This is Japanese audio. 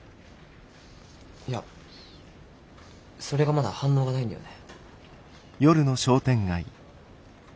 いやそれがまだ反応がないんだよね。